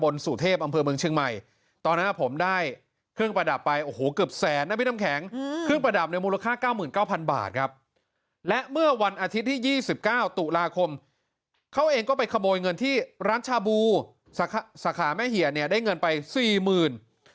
สาและเมื่อวันอาทิตย์ที่๒๙ตุลาคมเขาเองก็ไปขโมยเงินที่ร้านชาบูสาขาแม่เหี่ยเนี่ยได้เงินไปสี่หมื่น